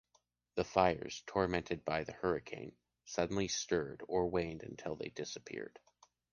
The fires, tormented by the hurricane, suddenly stirred or waned until they disappeared.